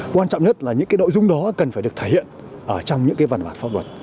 quan trọng nhất là những cái nội dung đó cần phải được thể hiện ở trong những cái văn bản pháp luật